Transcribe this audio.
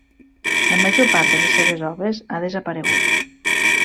La major part de les seves obres ha desaparegut.